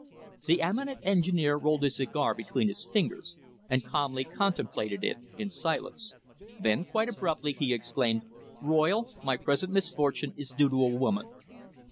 The eminent engineer rolled his cigar between his fingers, and calmly contemplated it in silence. Then, quite abruptly, he exclaimed: "Royle, my present misfortune is due to a woman."